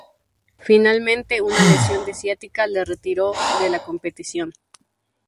Finalmente una lesión de ciática le retiró de la competición.